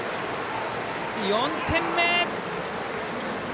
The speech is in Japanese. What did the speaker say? ４点目！